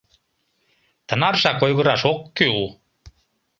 Тынаржак ойгыраш ок кӱл.